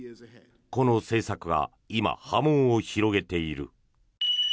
この政策が今、波紋を広げている。